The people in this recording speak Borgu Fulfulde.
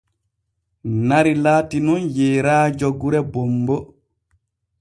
Nari laati nun yeeraajo gure bonbo.